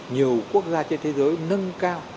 nhiều quốc gia trên thế giới nâng cao